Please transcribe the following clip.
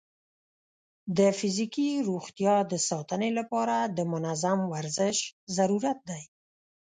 د فزیکي روغتیا د ساتنې لپاره د منظم ورزش ضرورت دی.